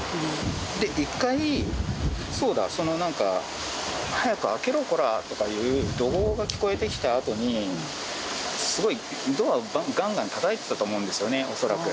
１回、そうだ、なんか早く開けろ、こらとかいうような怒号が聞こえてきたあとに、すごいドアをがんがんたたいてたと思うんですよね、恐らく。